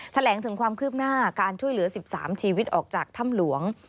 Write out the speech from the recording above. แถลงถึงความคืบหน้าการช่วยเหลือ๑๓ชีวิตออกจากถ้ำหลวง